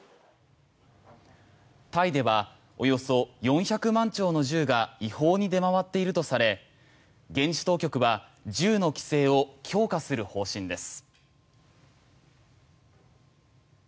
タイではおよそ４００万丁の銃が違法に出回っているとされ現地当局は銃の規制を強化する方針です。